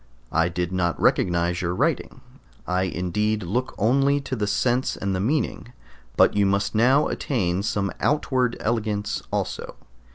I did not recognize your writing; I indeed look only to the sense and meaning, but you must now attain some outward elegance also.